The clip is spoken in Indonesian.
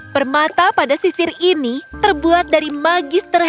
permata pada sisir ini terbuat dari magis terhenti